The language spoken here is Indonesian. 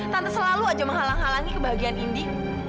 tanpa selalu aja menghalang halangi kebahagiaan indi